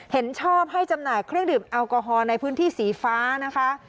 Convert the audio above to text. เห็นชอบให้จำหน่ายเครื่องดื่มแอลกอฮอล์ในพื้นที่สีฟ้านะคะ